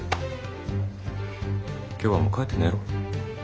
今日はもう帰って寝ろ。